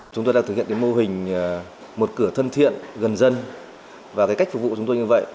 chúng tôi đang thực hiện mô hình một cửa thân thiện gần dân và cách phục vụ chúng tôi như vậy